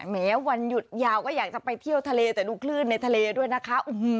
แม้วันหยุดยาวก็อยากจะไปเที่ยวทะเลแต่ดูคลื่นในทะเลด้วยนะคะ